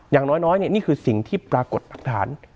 อย่างน้อยเนี่ยนี่คือสิ่งที่ปรากฏฐาน